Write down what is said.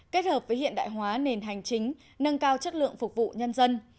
kết hợp với hiện đại hóa nền hành chính nâng cao chất lượng phục vụ nhân dân